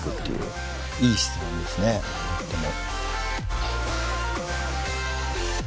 いい質問ですねとても。